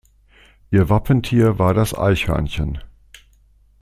Ihr Wappentier war das Eichhörnchen.